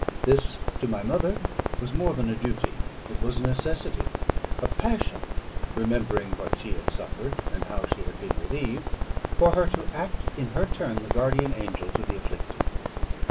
This, to my mother, was more than a duty; it was a necessity, a passion, remembering what she had suffered, and how she had been relieved, for her to act in her turn the guardian angel to the afflicted.